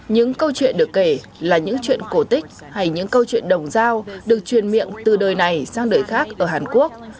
những câu chuyện được kể là những chuyện cổ tích hay những câu chuyện đồng giao được truyền miệng từ đời này sang đời khác ở hàn quốc